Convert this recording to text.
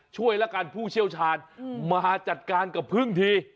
ละกันผู้เชี่ยวชาญมาจัดการกับพึ่งที